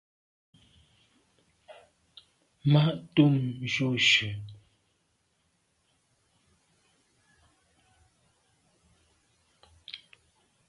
Ma’ ntùm jujù.